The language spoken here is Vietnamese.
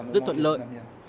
rất thuận lợi